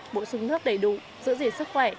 bổ sung nước đầy đủ giữ gìn sức khỏe